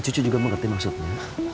cucu juga mengerti maksudnya